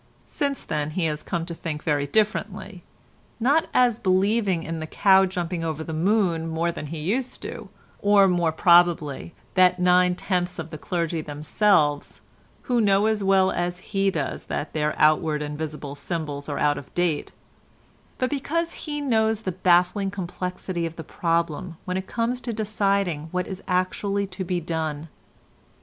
Since then he has come to think very differently, not as believing in the cow jumping over the moon more than he used to, or more, probably, than nine tenths of the clergy themselves—who know as well as he does that their outward and visible symbols are out of date—but because he knows the baffling complexity of the problem when it comes to deciding what is actually to be done.